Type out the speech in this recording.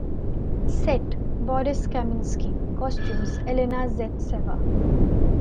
Set: Boris Kaminsky, Costumes: Elena Zaitseva.